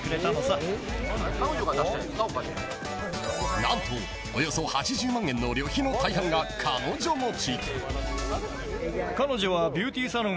何とおよそ８０万円の旅費の負担彼女持ち。